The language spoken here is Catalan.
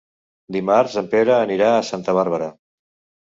Dimarts en Pere anirà a Santa Bàrbara.